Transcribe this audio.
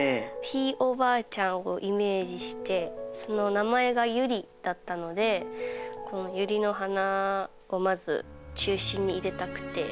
ひいおばあちゃんをイメージしてその名前がユリだったのでこのユリの花をまず中心に入れたくて。